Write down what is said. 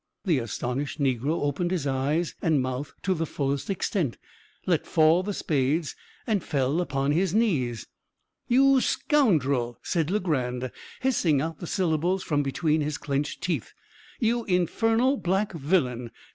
The astonished negro opened his eyes and mouth to the fullest extent, let fall the spades, and fell upon his knees. "You scoundrel!" said Legrand, hissing out the syllables from between his clinched teeth "you infernal black villain!